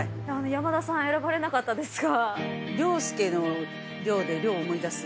山田さん選ばれなかったですが。